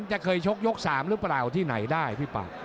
จะเคยโชคยกสามหรือเปล่าที่ไหนได้พี่บัง